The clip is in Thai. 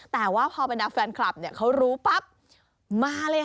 แต่ว่าพอไปดับแฟนคลับเขารู้ปั๊บมาเลยค่ะ